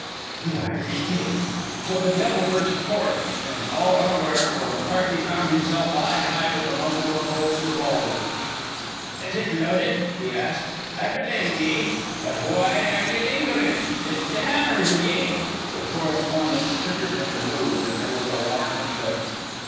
"You Irish pig!" So the devil burst forth, and all unaware, for McCarthy found himself eye high with the muzzle of a Colt's revolver. "Is it loaded?" he asked. "I belave ye. But why are ye lingerin'? Lift the hammer, will ye?" The correspondent's trigger finger moved and there was a warning click.